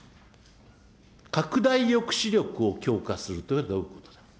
拡大抑止力を強化するというのはどういうことなのか。